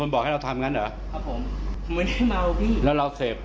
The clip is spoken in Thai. ๓๐บาทน่ะครับ